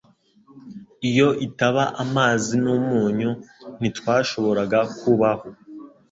Iyo itaba amazi n'umunyu ntitwashoboraga kubaho